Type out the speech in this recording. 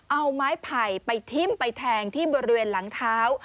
เอาไม้ไผ่ไปทิ้มไปแทงที่บริเวณหลังเท้า